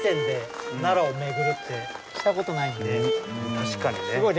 確かにね。